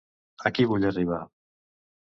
Aquí vull arribar.